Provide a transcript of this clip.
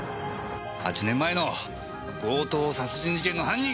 ８年前の強盗殺人事件の犯人！